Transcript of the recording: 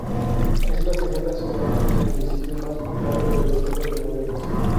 Es la segunda ciudad y municipio más poblado del Estado de Morelos.